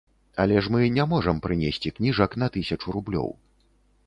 Але ж мы не можам прынесці кніжак на тысячу рублёў.